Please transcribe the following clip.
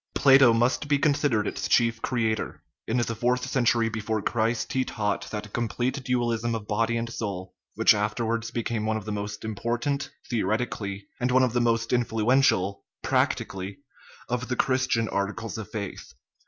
Plato must be considered its chief creator: in the fourth century before Christ he taught that complete dualism of body and soul which afterwards became one of the most im portant, theoretically, and one of the most influential, practically, of the Christian articles of faith.